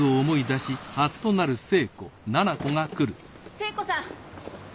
聖子さん！